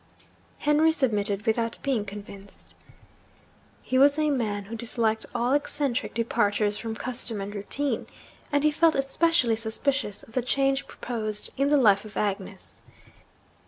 Henry submitted without being convinced. He was a man who disliked all eccentric departures from custom and routine; and he felt especially suspicious of the change proposed in the life of Agnes.